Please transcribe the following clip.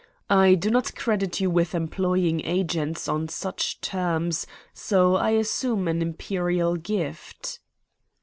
I do not credit you with employing agents on such terms, so I assume an Imperial gift."